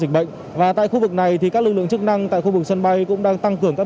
dịch bệnh và tại khu vực này các lực lượng chức năng tại khu vực sân bay cũng đang tăng cường các